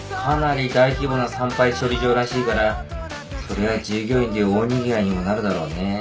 かなり大規模な産廃処理場らしいからそりゃあ従業員で大にぎわいにもなるだろうね。